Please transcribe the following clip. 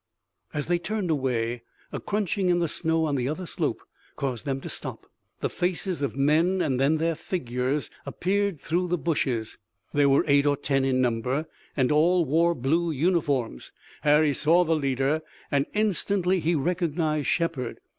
As they turned away a crunching in the snow on the other slope caused them to stop. The faces of men and then their figures appeared through the bushes. They were eight or ten in number and all wore blue uniforms. Harry saw the leader, and instantly he recognized Shepard.